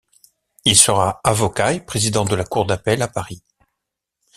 Il sera avocat et Président de la cour d’appel à Paris.